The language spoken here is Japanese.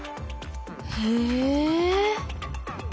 へえ。